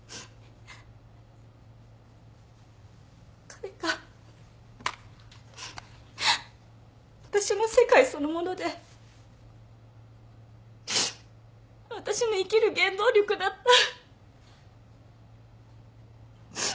彼が私の世界そのもので私の生きる原動力だった。